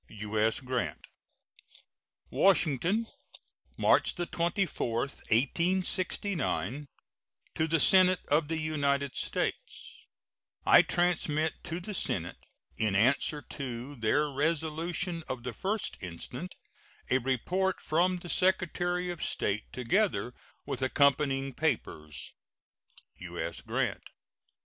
U.S. GRANT. WASHINGTON, March 24, 1869. To the Senate of the United States: I transmit to the Senate, in answer to their resolution of the 1st instant, a report from the Secretary of State, together with accompanying papers. U.S. GRANT.